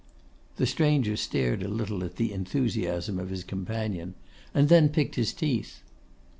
The stranger stared a little at the enthusiasm of his companion, and then picked his teeth.